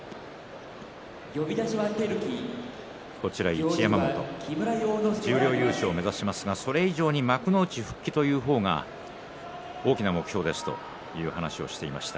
一山本、十両優勝目指しますがそれ以上に幕内復帰という方が大きな目標ですという話をしていました。